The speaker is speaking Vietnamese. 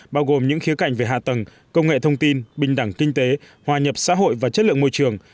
bao gồm những khía cạnh về hạ tầng công nghệ thông tin bình đẳng kinh tế hòa nhập xã hội và chất lượng môi trường